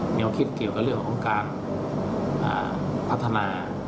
แนวคิดเกี่ยวกับเรื่องของการพัฒนา